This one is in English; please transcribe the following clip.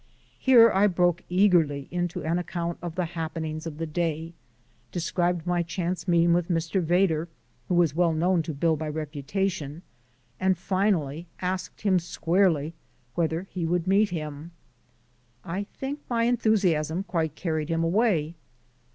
Here I broke eagerly into an account of the happenings of the day, described my chance meeting with Mr. Vedder who was well known to Bill by reputation and finally asked him squarely whether he would meet him. I think my enthusiasm quite carried him away.